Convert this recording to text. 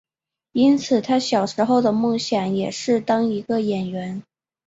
因此他小时候的梦想也是想当一个演员。